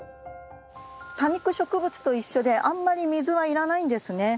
多肉植物と一緒であんまり水はいらないんですね。